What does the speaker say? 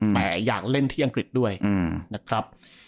แต่อยากเล่นที่อังกฤษด้วยนะครับ